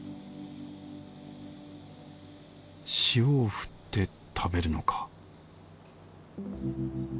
塩を振って食べるのか